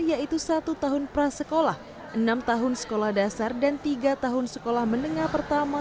yaitu satu tahun prasekolah enam tahun sekolah dasar dan tiga tahun sekolah menengah pertama